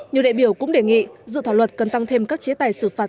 nhiều đại biểu cũng đề nghị dự thảo luật cần tăng thêm các chế tài xử phạt